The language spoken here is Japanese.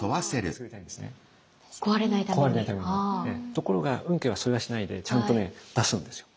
ところが運慶はそれはしないでちゃんとね出すんですよ。